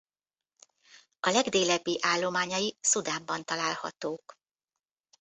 A legdélebbi állományai Szudánban találhatók.